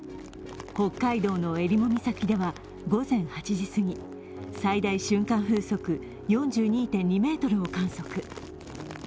北海道のえりも岬では午前８時すぎ最大瞬間風速４２．２メートルを観測。